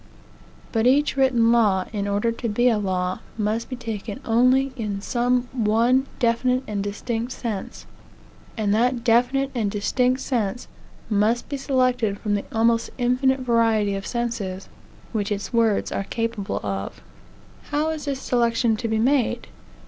But each written law, in order to be a law, must be taken only in some one definite and distinct sense; and that definite and distinct sense must be selected from the almost infinite variety of senses which its words are capable of. How is this selection to be made?